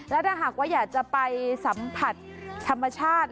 และถ้าหากว่าอยากจะไปสัมผัสธรรมชาติ